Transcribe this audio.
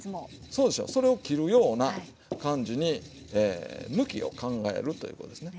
そうでしょそれを切るような感じに向きを考えるということですね。